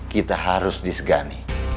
kita harus disegani